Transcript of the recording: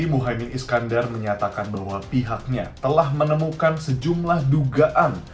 muhaymin iskandar menyatakan bahwa pihaknya telah menemukan sejumlah dugaan